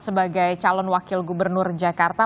sebagai calon wakil gubernur jakarta